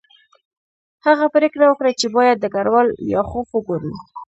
هغه پریکړه وکړه چې باید ډګروال لیاخوف وګوري